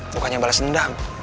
bukannya balas dendam